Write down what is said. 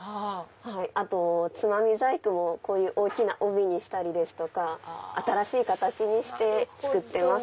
あとつまみ細工もこういう大きな帯にしたりとか新しい形にして作ってます。